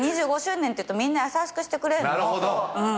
２５周年っていうとみんな優しくしてくれるの。